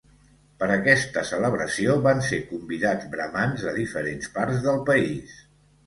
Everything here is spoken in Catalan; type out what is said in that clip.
Per aquesta celebració van ser convidats bramans de diferents parts del país.